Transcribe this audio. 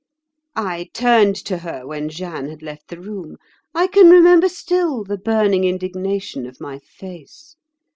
I turned to her when Jeanne had left the room. I can remember still the burning indignation of my face.